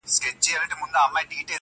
هغه لمرینه نجلۍ تور ته ست کوي~